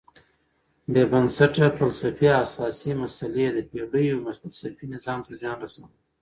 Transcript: بېبنسټه فلسفي اساسي مسئله د پېړیو فلسفي نظام ته زیان رسولی.